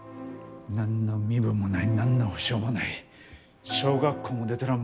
何の身分もない何の保証もない小学校も出とらん